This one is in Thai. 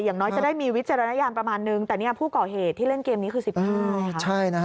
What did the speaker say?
อย่างน้อยจะได้มีวิจารณญาณประมาณนึงแต่ผู้ก่อเหตุที่เล่นเกมนี้คือ๑๕ไง